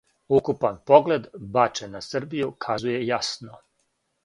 Укупан поглед, бачен на Србију, казује јасно